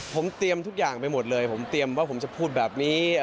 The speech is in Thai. ผมเตรียมทุกอย่างไปหมดเลยผมเตรียมว่าผมจะพูดแบบนี้